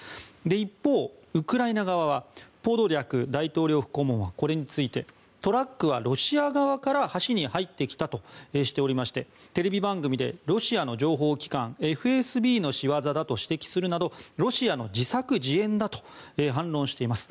一方、ウクライナ側はポドリャク大統領府顧問はこれについてトラックはロシア側から橋に入ってきたとしておりましてテレビ番組でロシアの情報機関ＦＳＢの仕業だと指摘するなど、ロシアの自作自演だと反論しています。